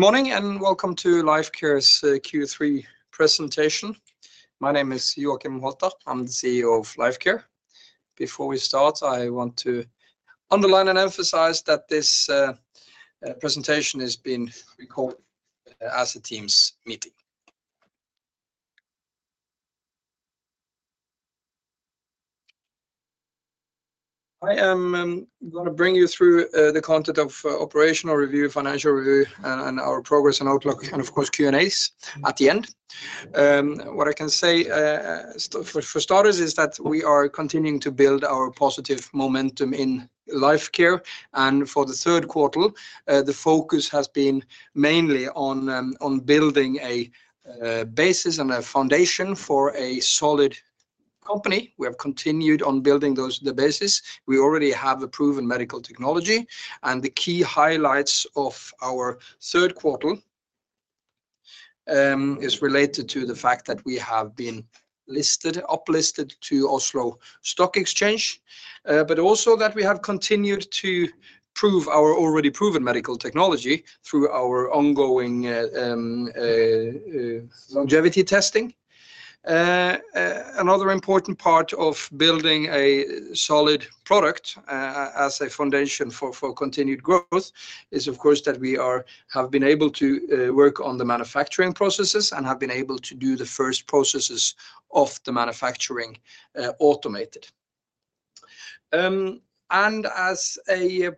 Good morning and welcome to Lifecare's Q3 presentation. My name is Joacim Holter, I'm the CEO of Lifecare. Before we start, I want to underline and emphasize that this presentation is being recorded as a Teams meeting. I am going to bring you through the content of operational review, financial review, and our progress and outlook, and of course Q&As at the end. What I can say for starters is that we are continuing to build our positive momentum in Lifecare, and for the third quarter, the focus has been mainly on building a basis and a foundation for a solid company. We have continued on building the basis. We already have a proven medical technology, and the key highlights of our third quarter are related to the fact that we have been listed, uplisted to Oslo Stock Exchange, but also that we have continued to prove our already proven medical technology through our ongoing longevity testing. Another important part of building a solid product as a foundation for continued growth is, of course, that we have been able to work on the manufacturing processes and have been able to do the first processes of the manufacturing automated. And as a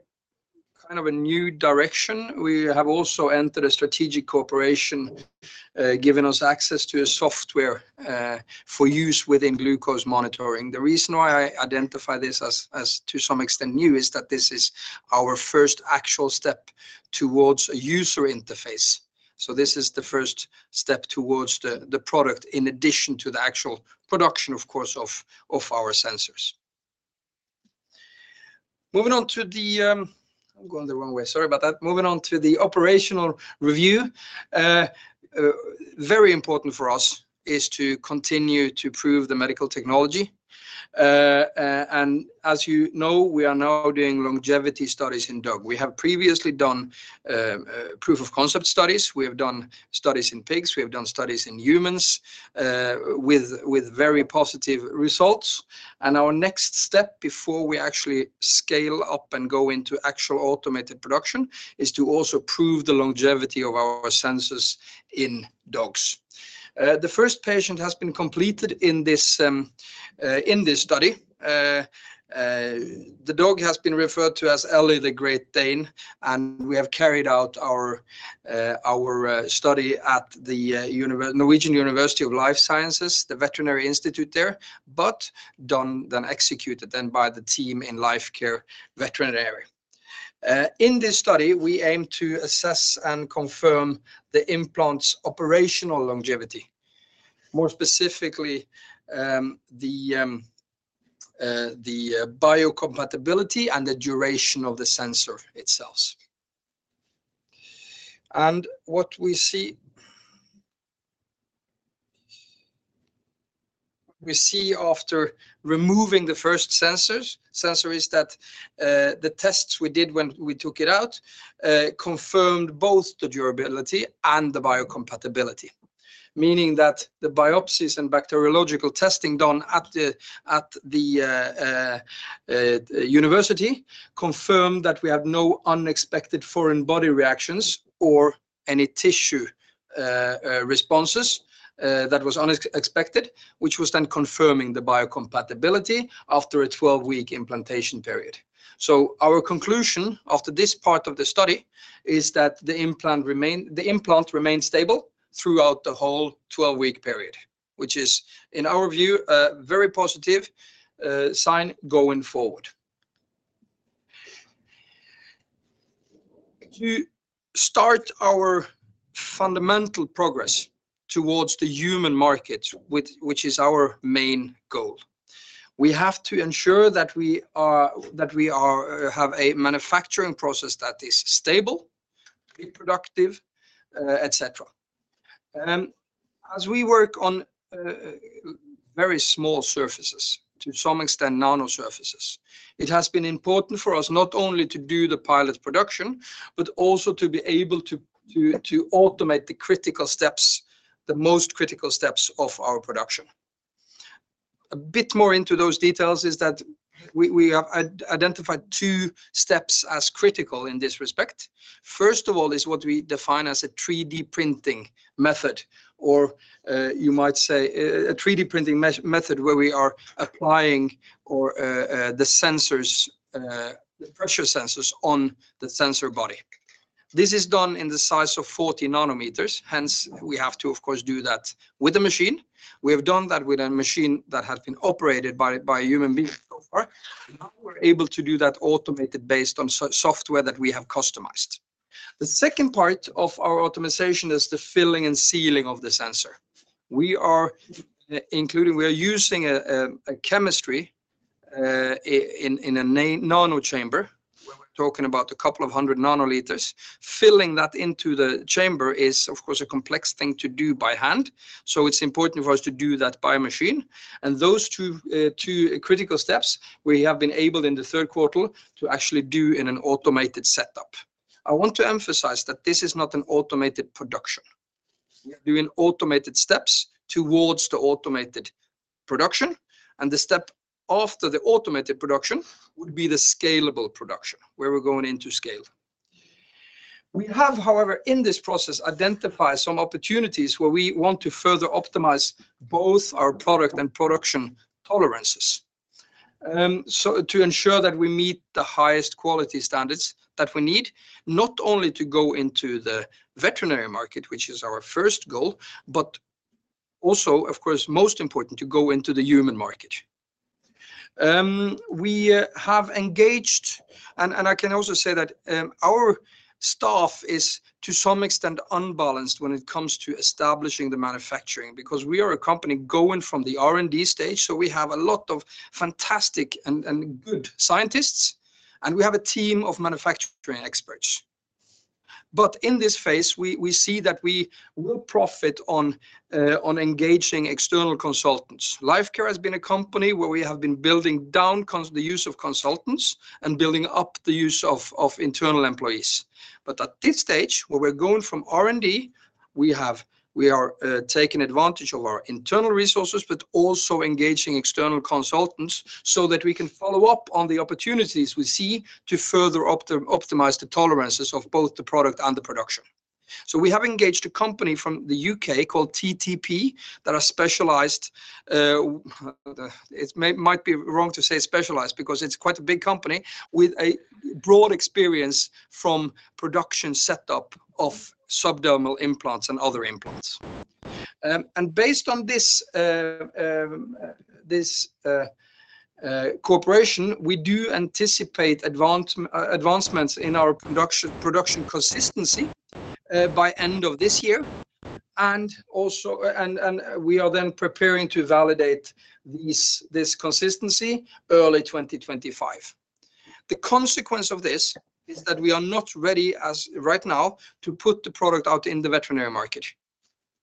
kind of a new direction, we have also entered a strategic collaboration that has given us access to software for use within glucose monitoring. The reason why I identify this as to some extent new is that this is our first actual step towards a user interface. This is the first step towards the product in addition to the actual production, of course, of our sensors. Moving on to the operational review. Very important for us is to continue to prove the medical technology. As you know, we are now doing longevity studies in dogs. We have previously done proof of concept studies. We have done studies in pigs. We have done studies in humans with very positive results. Our next step before we actually scale up and go into actual automated production is to also prove the longevity of our sensors in dogs. The first patient has been completed in this study. The dog has been referred to as Ellie, the Great Dane, and we have carried out our study at the Norwegian University of Life Sciences, the veterinary institute there, but then executed by the team in Lifecare Veterinary. In this study, we aim to assess and confirm the implant's operational longevity, more specifically the biocompatibility and the duration of the sensor itself, and what we see after removing the first sensor is that the tests we did when we took it out confirmed both the durability and the biocompatibility, meaning that the biopsies and bacteriological testing done at the university confirmed that we have no unexpected foreign body reactions or any tissue responses that were unexpected, which was then confirming the biocompatibility after a 12-week implantation period. So our conclusion after this part of the study is that the implant remained stable throughout the whole 12-week period, which is, in our view, a very positive sign going forward. To start our fundamental progress towards the human market, which is our main goal, we have to ensure that we have a manufacturing process that is stable, productive, etc. As we work on very small surfaces, to some extent nano surfaces, it has been important for us not only to do the pilot production, but also to be able to automate the critical steps, the most critical steps of our production. A bit more into those details is that we have identified two steps as critical in this respect. First of all is what we define as a 3D printing method, or you might say a 3D printing method where we are applying the pressure sensors on the sensor body. This is done in the size of 40 nanometers. Hence, we have to, of course, do that with a machine. We have done that with a machine that has been operated by a human being so far. Now we're able to do that automated based on software that we have customized. The second part of our automation is the filling and sealing of the sensor. We are using a chemistry in a nano chamber where we're talking about a couple of hundred nanometers. Filling that into the chamber is, of course, a complex thing to do by hand. So it's important for us to do that by machine. Those two critical steps we have been able in the third quarter to actually do in an automated setup. I want to emphasize that this is not an automated production. We are doing automated steps towards the automated production, and the step after the automated production would be the scalable production where we're going into scale. We have, however, in this process, identified some opportunities where we want to further optimize both our product and production tolerances to ensure that we meet the highest quality standards that we need, not only to go into the veterinary market, which is our first goal, but also, of course, most important to go into the human market. We have engaged, and I can also say that our staff is to some extent unbalanced when it comes to establishing the manufacturing because we are a company going from the R&D stage. We have a lot of fantastic and good scientists, and we have a team of manufacturing experts. But in this phase, we see that we will profit on engaging external consultants. Lifecare has been a company where we have been building down the use of consultants and building up the use of internal employees. But at this stage where we're going from R&D, we are taking advantage of our internal resources, but also engaging external consultants so that we can follow up on the opportunities we see to further optimize the tolerances of both the product and the production. We have engaged a company from the U.K. called TTP that are specialized. It might be wrong to say specialized because it's quite a big company with a broad experience from production setup of subdermal implants and other implants. Based on this cooperation, we do anticipate advancements in our production consistency by the end of this year. We are then preparing to validate this consistency early 2025. The consequence of this is that we are not ready right now to put the product out in the veterinary market.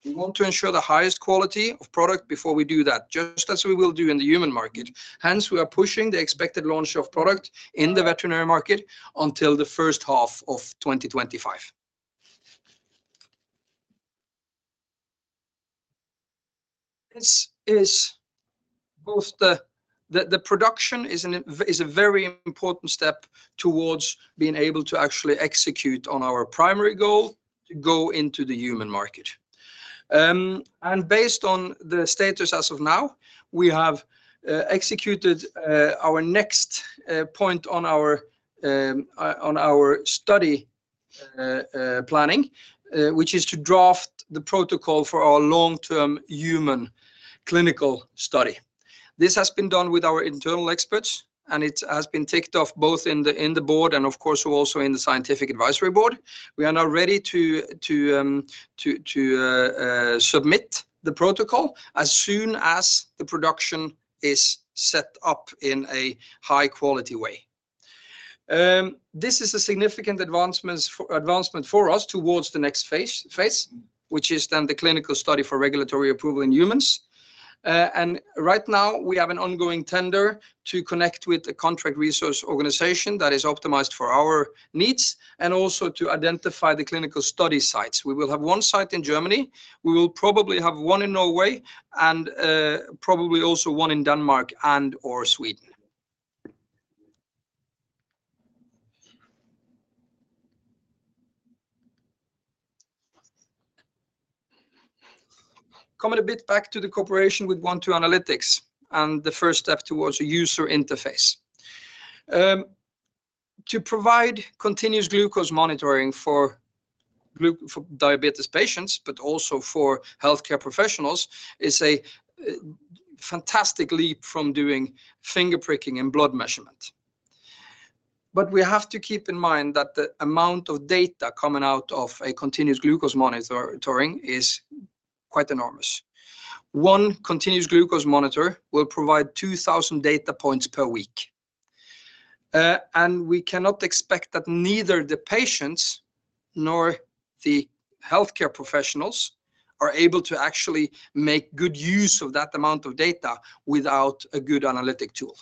We want to ensure the highest quality of product before we do that, just as we will do in the human market. Hence, we are pushing the expected launch of product in the veterinary market until the first half of 2025. The production is a very important step towards being able to actually execute on our primary goal to go into the human market. Based on the status as of now, we have executed our next point on our study planning, which is to draft the protocol for our long-term human clinical study. This has been done with our internal experts, and it has been ticked off both in the board and, of course, also in the scientific advisory board. We are now ready to submit the protocol as soon as the production is set up in a high-quality way. This is a significant advancement for us towards the next phase, which is then the clinical study for regulatory approval in humans. And right now, we have an ongoing tender to connect with a contract research organization that is optimized for our needs and also to identify the clinical study sites. We will have one site in Germany. We will probably have one in Norway and probably also one in Denmark and/or Sweden. Coming a bit back to the cooperation with OneTwo Analytics and the first step towards a user interface. To provide continuous glucose monitoring for diabetes patients, but also for healthcare professionals, is a fantastic leap from doing finger pricking and blood measurement. But we have to keep in mind that the amount of data coming out of a continuous glucose monitoring is quite enormous. One continuous glucose monitor will provide 2,000 data points per week. And we cannot expect that neither the patients nor the healthcare professionals are able to actually make good use of that amount of data without a good analytic tool.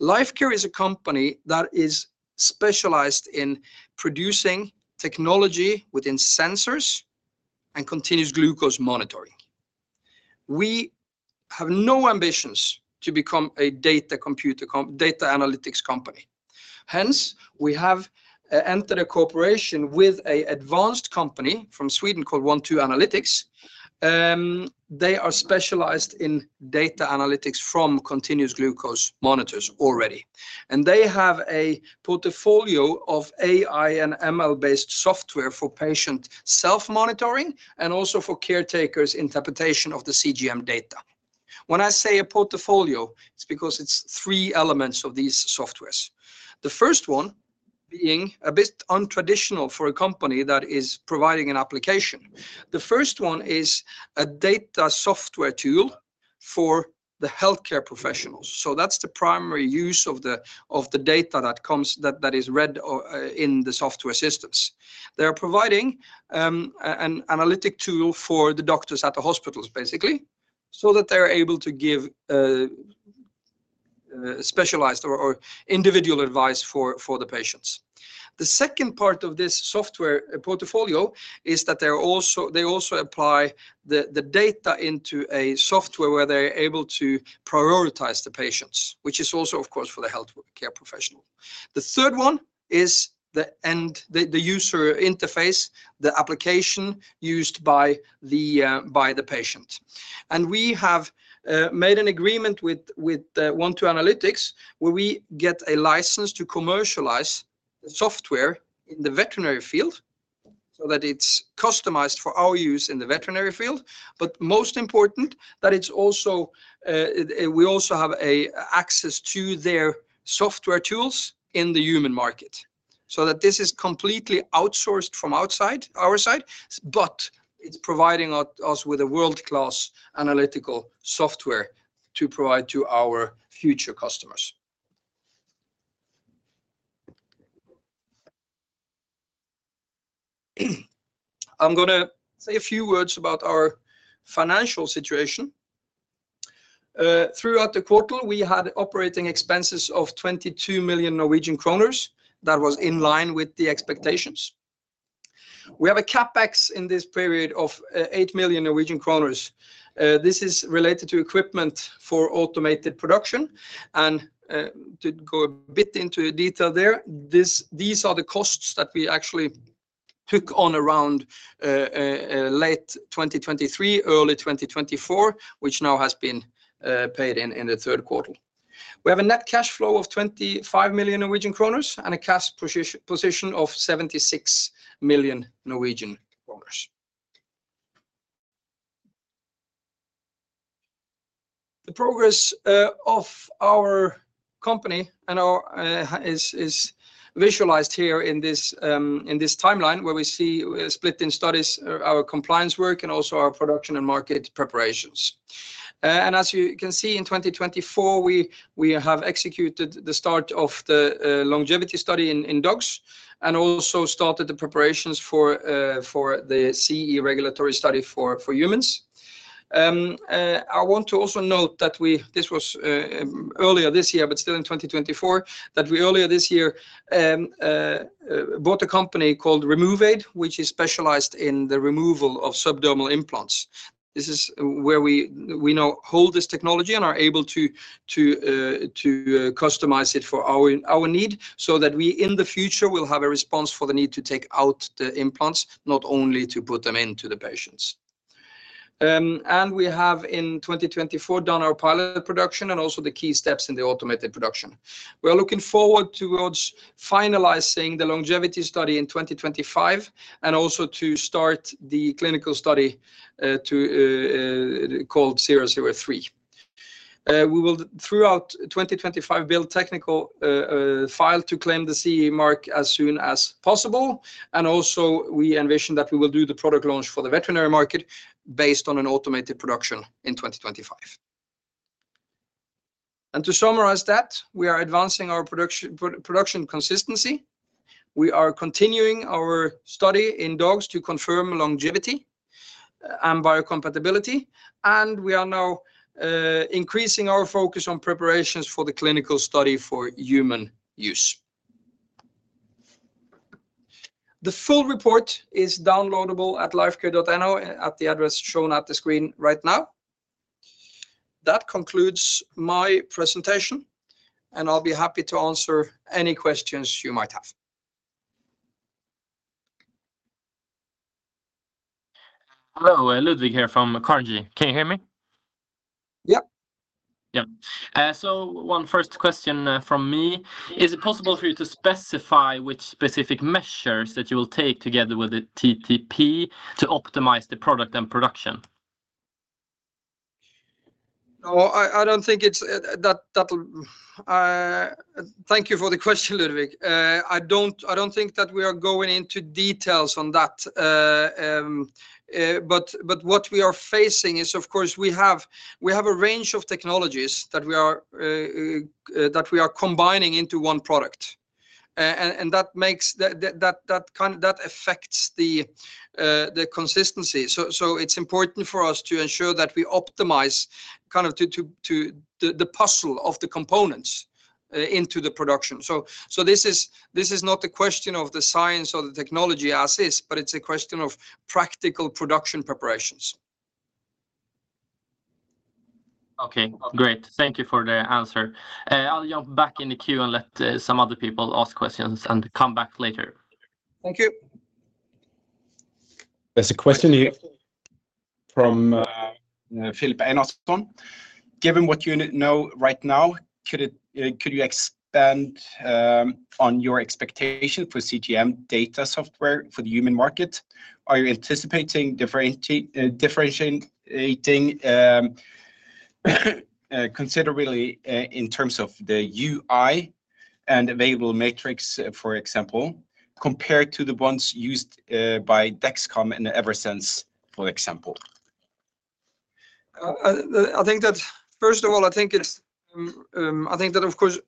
Lifecare is a company that is specialized in producing technology within sensors and continuous glucose monitoring. We have no ambitions to become a data analytics company. Hence, we have entered a cooperation with an advanced company from Sweden called OneTwo Analytics. They are specialized in data analytics from continuous glucose monitors already. And they have a portfolio of AI and ML-based software for patient self-monitoring and also for caretakers interpretation of the CGM data. When I say a portfolio, it's because it's three elements of these softwares. The first one being a bit untraditional for a company that is providing an application. The first one is a data software tool for the healthcare professionals. So that's the primary use of the data that is read in the software systems. They are providing an analytic tool for the doctors at the hospitals, basically, so that they are able to give specialized or individual advice for the patients. The second part of this software portfolio is that they also apply the data into a software where they are able to prioritize the patients, which is also, of course, for the healthcare professional. The third one is the user interface, the application used by the patient. And we have made an agreement with OneTwo Analytics where we get a license to commercialize the software in the veterinary field so that it's customized for our use in the veterinary field. But most important, we also have access to their software tools in the human market so that this is completely outsourced from our side, but it's providing us with a world-class analytical software to provide to our future customers. I'm going to say a few words about our financial situation. Throughout the quarter, we had operating expenses of 22 million Norwegian kroner that was in line with the expectations. We have a CapEx in this period of 8 million Norwegian kroner. This is related to equipment for automated production. And to go a bit into detail there, these are the costs that we actually took on around late 2023, early 2024, which now has been paid in the third quarter. We have a net cash flow of 25 million Norwegian kroner and a cash position of 76 million Norwegian kroner. The progress of our company is visualized here in this timeline where we see split in studies, our compliance work, and also our production and market preparations. And as you can see, in 2024, we have executed the start of the longevity study in dogs and also started the preparations for the CE regulatory study for humans. I want to also note that this was earlier this year, but still in 2024, that we earlier this year bought a company called RemovAid, which is specialized in the removal of subdermal implants. This is where we now hold this technology and are able to customize it for our need so that we in the future will have a response for the need to take out the implants, not only to put them into the patients, and we have in 2024 done our pilot production and also the key steps in the automated production. We are looking forward towards finalizing the longevity study in 2025 and also to start the clinical study called LFC-SEN-003. We will, throughout 2025, build technical files to claim the CE Mark as soon as possible, and also, we envision that we will do the product launch for the veterinary market based on an automated production in 2025, and to summarize that, we are advancing our production consistency. We are continuing our study in dogs to confirm longevity and biocompatibility. And we are now increasing our focus on preparations for the clinical study for human use. The full report is downloadable at lifecare.no at the address shown on the screen right now. That concludes my presentation, and I'll be happy to answer any questions you might have. Hello, Ludvig here from Carnegie. Can you hear me? Yep. Yep. So one first question from me. Is it possible for you to specify which specific measures that you will take together with the TTP to optimize the product and production? No, I don't think it's that. Thank you for the question, Ludvig. I don't think that we are going into details on that. But what we are facing is, of course, we have a range of technologies that we are combining into one product. And that affects the consistency. So it's important for us to ensure that we optimize kind of the puzzle of the components into the production. So this is not a question of the science or the technology as is, but it's a question of practical production preparations. Okay. Great. Thank you for the answer. I'll jump back in the queue and let some other people ask questions and come back later. Thank you. There's a question here from Filip Einarsson. Given what you know right now, could you expand on your expectation for CGM data software for the human market? Are you anticipating differentiating considerably in terms of the UI and available metrics, for example, compared to the ones used by Dexcom and Eversense, for example? I think that, first of all, I think that, of course,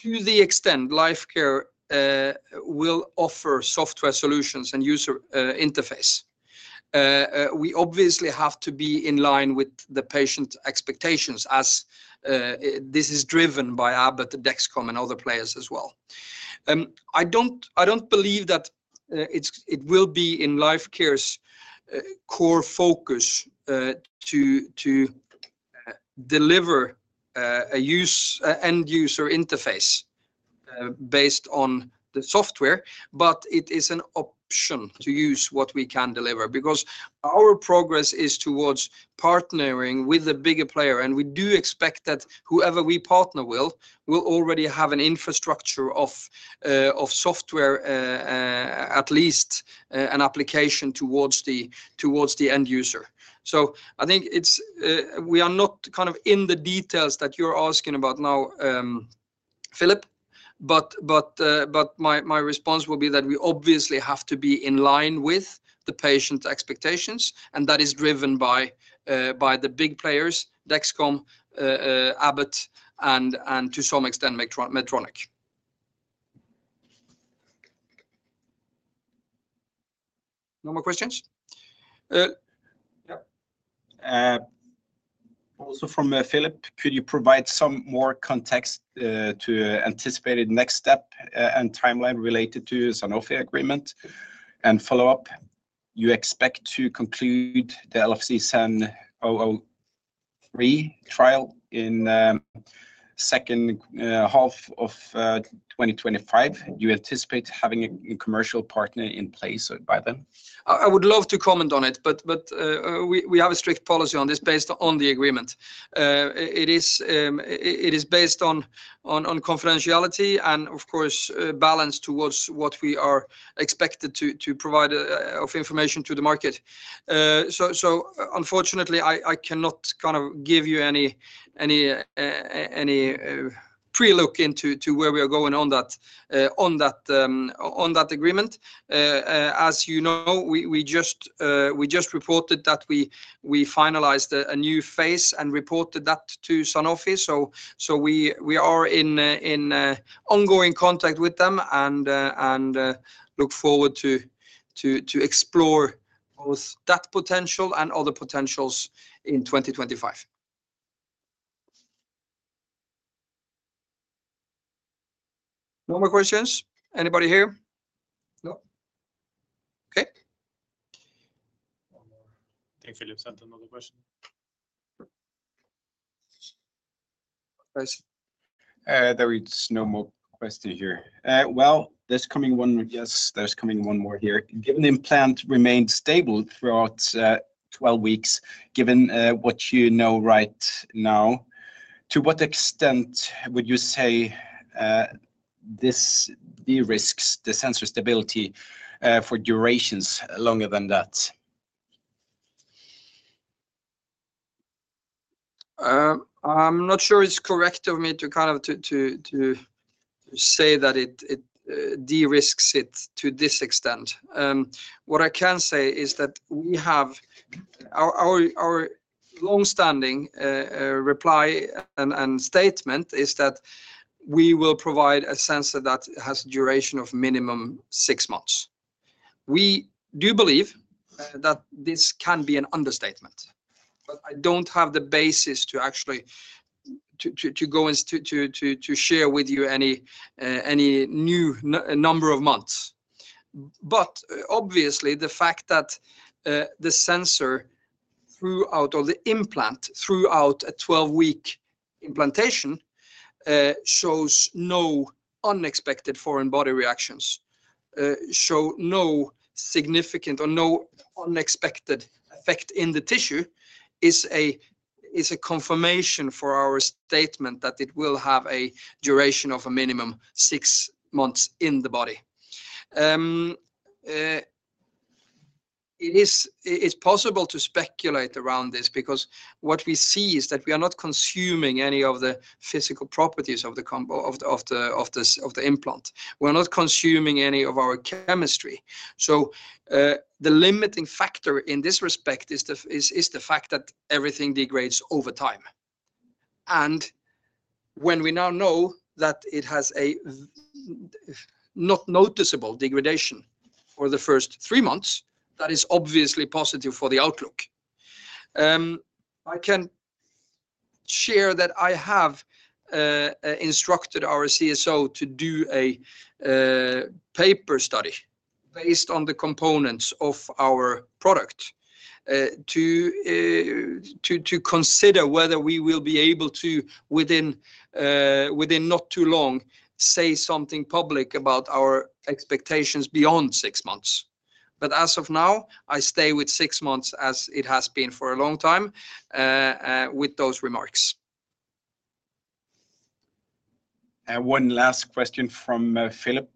to the extent Lifecare will offer software solutions and user interface, we obviously have to be in line with the patient expectations as this is driven by Abbott, Dexcom, and other players as well. I don't believe that it will be in Lifecare's core focus to deliver an end-user interface based on the software, but it is an option to use what we can deliver because our progress is towards partnering with a bigger player, and we do expect that whoever we partner with will already have an infrastructure of software, at least an application towards the end user. So I think we are not kind of in the details that you're asking about now, Filip, but my response will be that we obviously have to be in line with the patient expectations, and that is driven by the big players, Dexcom, Abbott, and to some extent, Medtronic. No more questions? Yep. Also from Filip, could you provide some more context to anticipate the next step and timeline related to the Sanofi agreement and follow-up? You expect to conclude the LFC-SEN-003 trial in the second half of 2025. Do you anticipate having a commercial partner in place by then? I would love to comment on it, but we have a strict policy on this based on the agreement. It is based on confidentiality and, of course, balance towards what we are expected to provide of information to the market. Unfortunately, I cannot kind of give you any prelook into where we are going on that agreement. As you know, we just reported that we finalized a new phase and reported that to Sanofi. We are in ongoing contact with them and look forward to explore both that potential and other potentials in 2025. No more questions? Anybody here? No. Okay. I think Filip sent another question. There is no more question here. There's coming one more. Yes, there's coming one more here. Given the implant remained stable throughout 12 weeks, given what you know right now, to what extent would you say the risks, the sensor stability for durations longer than that? I'm not sure it's correct of me to kind of say that it de-risks it to this extent. What I can say is that we have our long-standing reply and statement is that we will provide a sensor that has a duration of minimum six months. We do believe that this can be an understatement, but I don't have the basis to actually go into to share with you any new number of months. But obviously, the fact that the sensor throughout or the implant throughout a 12-week implantation shows no unexpected foreign body reactions, show no significant or no unexpected effect in the tissue is a confirmation for our statement that it will have a duration of a minimum six months in the body. It's possible to speculate around this because what we see is that we are not consuming any of the physical properties of the implant. We're not consuming any of our chemistry. So the limiting factor in this respect is the fact that everything degrades over time. And when we now know that it has a not noticeable degradation over the first three months, that is obviously positive for the outlook. I can share that I have instructed our CSO to do a paper study based on the components of our product to consider whether we will be able to, within not too long, say something public about our expectations beyond six months. But as of now, I stay with six months as it has been for a long time with those remarks. One last question from Filip.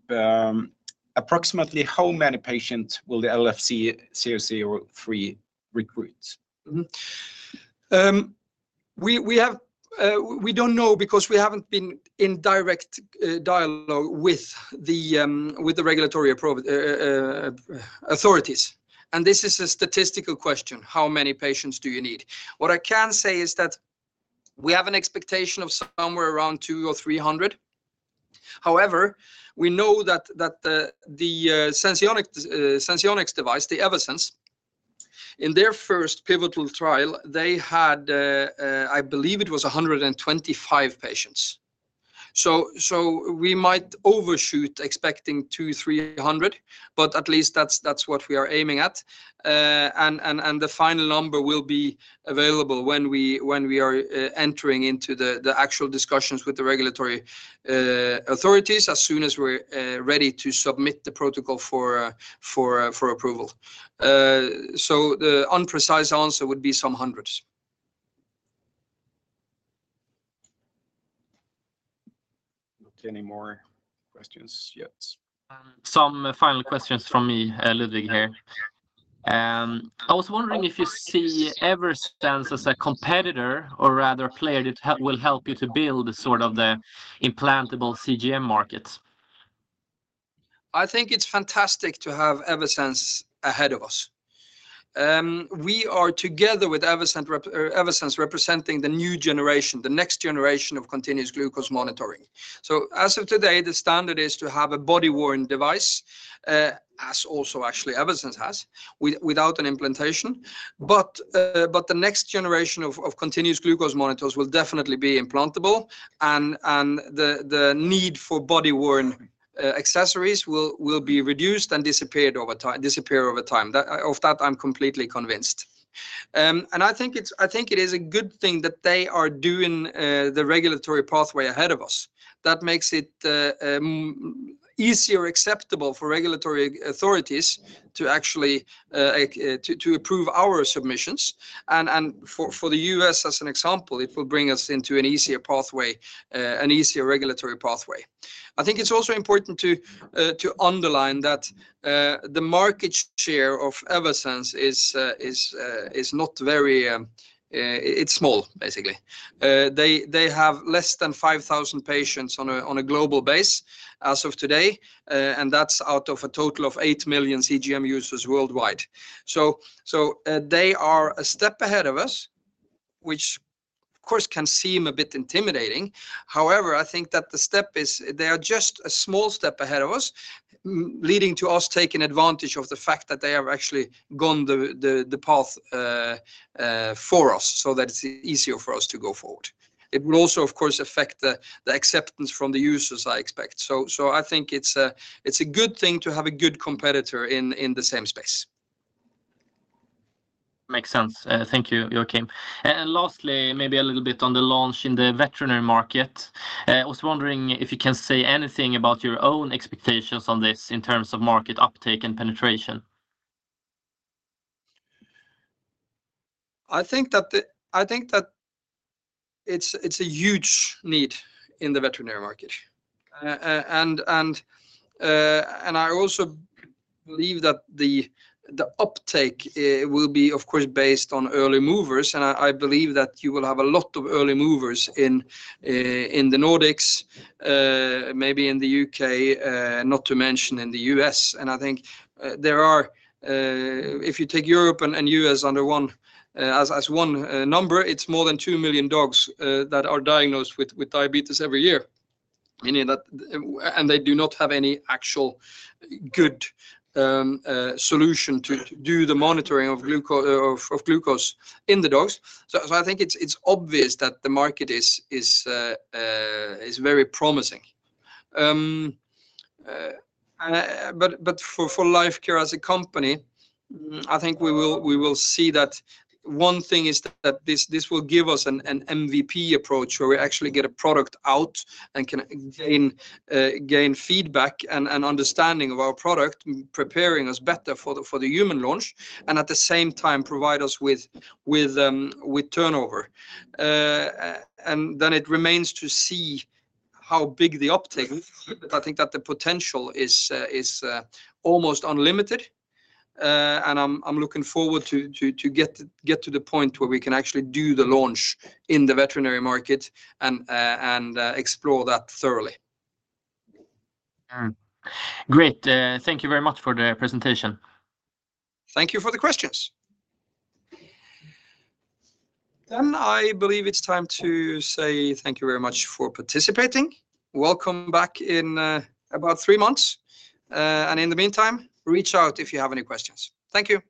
Approximately how many patients will the LFC-SEN-003 recruit? We don't know because we haven't been in direct dialogue with the regulatory authorities. And this is a statistical question. How many patients do you need? What I can say is that we have an expectation of somewhere around 200 or 300. However, we know that the Senseonics device, the Eversense, in their first pivotal trial, they had, I believe it was 125 patients. So we might overshoot expecting 200, 300, but at least that's what we are aiming at. The final number will be available when we are entering into the actual discussions with the regulatory authorities as soon as we're ready to submit the protocol for approval. So the imprecise answer would be some hundreds. Not any more questions yet. Some final questions from me, Ludvig here. I was wondering if you see Eversense as a competitor or rather a player that will help you to build sort of the implantable CGM market. I think it's fantastic to have Eversense ahead of us. We are together with Eversense representing the new generation, the next generation of continuous glucose monitoring, so as of today, the standard is to have a body-worn device, as also actually Eversense has, without an implantation, but the next generation of continuous glucose monitors will definitely be implantable, and the need for body-worn accessories will be reduced and disappear over time. Of that, I'm completely convinced, and I think it is a good thing that they are doing the regulatory pathway ahead of us. That makes it easier acceptable for regulatory authorities to actually approve our submissions, and for the U.S., as an example, it will bring us into an easier pathway, an easier regulatory pathway. I think it's also important to underline that the market share of Eversense is not very. It's small, basically. They have less than 5,000 patients on a global base as of today, and that's out of a total of 8 million CGM users worldwide. So they are a step ahead of us, which, of course, can seem a bit intimidating. However, I think that the step is, they are just a small step ahead of us, leading to us taking advantage of the fact that they have actually gone the path for us so that it's easier for us to go forward. It will also, of course, affect the acceptance from the users, I expect. So I think it's a good thing to have a good competitor in the same space. Makes sense. Thank you. You're okay. And lastly, maybe a little bit on the launch in the veterinary market. I was wondering if you can say anything about your own expectations on this in terms of market uptake and penetration. I think that it's a huge need in the veterinary market. And I also believe that the uptake will be, of course, based on early movers. And I believe that you will have a lot of early movers in the Nordics, maybe in the U.K., not to mention in the U.S. And I think there are, if you take Europe and U.S. under one as one number, it's more than two million dogs that are diagnosed with diabetes every year. And they do not have any actual good solution to do the monitoring of glucose in the dogs. So I think it's obvious that the market is very promising. But for Lifecare as a company, I think we will see that one thing is that this will give us an MVP approach where we actually get a product out and can gain feedback and understanding of our product, preparing us better for the human launch, and at the same time provide us with turnover. And then it remains to see how big the uptake is. But I think that the potential is almost unlimited. And I'm looking forward to get to the point where we can actually do the launch in the veterinary market and explore that thoroughly. Great. Thank you very much for the presentation. Thank you for the questions. Then I believe it's time to say thank you very much for participating. Welcome back in about three months. And in the meantime, reach out if you have any questions. Thank you.